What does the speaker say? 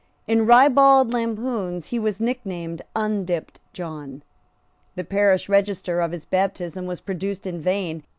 In ribald lampoons he was nicknamed Undipped John. The parish register of his baptism was produced in vain.